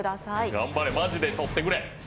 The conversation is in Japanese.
頑張れ、マジで取ってくれ。